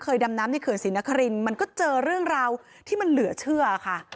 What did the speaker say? ดำน้ำในเขื่อนศรีนครินมันก็เจอเรื่องราวที่มันเหลือเชื่อค่ะ